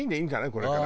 これから。